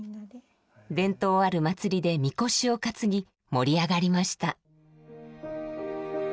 伝統ある祭りでみこしを担ぎ盛り上がりました。